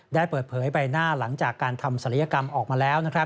ได้เปิดเผยใบหน้าหลังจากการทำศัลยกรรมออกมาแล้ว